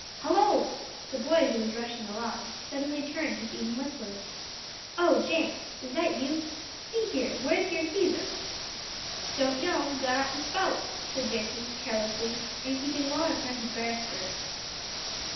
"Hullo!" The boy who was rushing along, suddenly turned, to see him whistling. "Oh Jenk, is that you? See here, where's your Cæsar?" "Don't know gone up the spout," said Jenkins carelessly, and keeping well in front of Beresford.